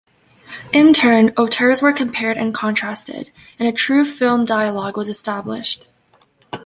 In turn, auteurs were compared and contrasted, and a true film dialogue was established.